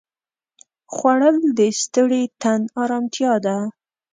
خوړل د ستړي تن ارامتیا ده